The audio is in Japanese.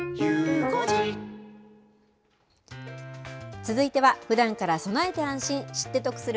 続いてはふだんから備えて安心、知って得する！